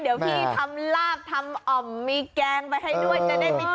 เดี๋ยวพี่ทำราบทำอ่อมมีแกงไปให้ด้วย